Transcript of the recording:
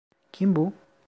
Kim bu?